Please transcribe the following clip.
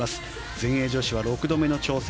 全英女子は６度目の挑戦。